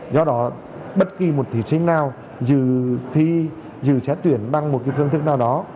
do đó bất kỳ một thí sinh nào dự xác tuyển bằng một cái phương thức nào đó